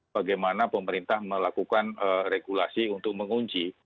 bagaimana pemerintah melakukan regulasi untuk mengunci